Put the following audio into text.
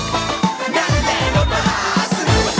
สีสันมันดูน่าสนุก